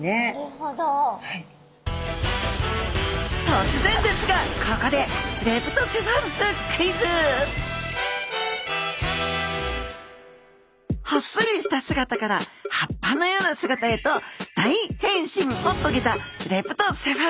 とつぜんですがここでほっそりした姿から葉っぱのような姿へと大変身をとげたレプトセファルスちゃん。